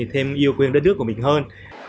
thêm yêu quên đất nước của mình hơn